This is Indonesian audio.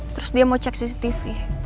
terus dia mau cek cctv